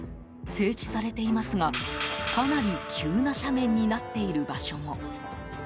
整地されていますがかなり急な斜面になっている場所も。